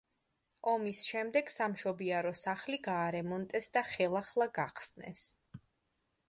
ომის შემდეგ სამშობიარო სახლი გაარემონტეს და ხელახლა გახსნეს.